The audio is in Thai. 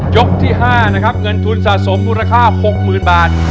ยกที่๕นะครับเงินทุนสะสมมูลค่า๖๐๐๐บาท